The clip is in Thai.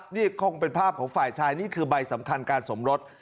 นี่คงเป็นภาพของฝ่ายชายนี่คือใบสำคัญการสมรส